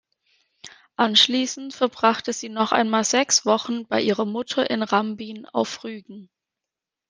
Anschließend verbrachte sie noch einmal sechs Wochen bei ihrer Mutter in Rambin auf Rügen.